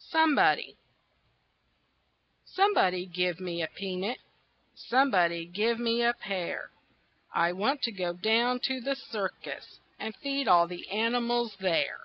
SOMEBODY Somebody give me a peanut, Somebody give me a pear; I want to go down to the circus And feed all the animals there.